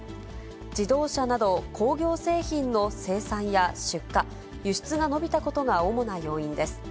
自動車など工業製品の生産や出荷、輸出が伸びたことが主な要因です。